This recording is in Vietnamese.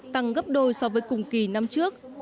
tăng gấp đôi so với cùng kỳ năm trước